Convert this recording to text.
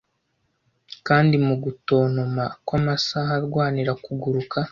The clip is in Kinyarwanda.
Kandi mu gutontoma kw'amasaha arwanira kuguruka,